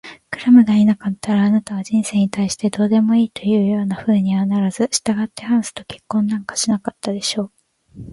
クラムがいなかったら、あなたは人生に対してどうでもいいというようなふうにはならず、したがってハンスと結婚なんかしなかったでしょう。